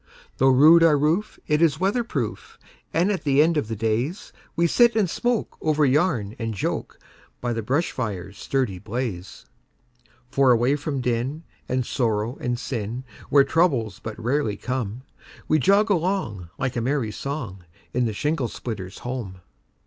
Though rude our roof, it is weather proof, And at the end of the daysWe sit and smoke over yarn and joke, By the bush fire's sturdy blaze. For away from din, and sorrow and sin, Where troubles but rarely come, We jog along, like a merry song, In the shingle splitter's home.